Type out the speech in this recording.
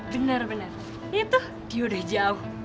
bener bener itu dia udah jauh